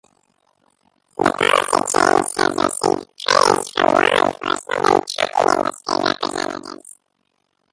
The policy change has received praise from law enforcement and trucking industry representatives.